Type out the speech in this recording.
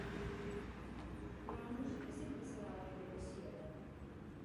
Però la música sempre serà la meva passió, va dir.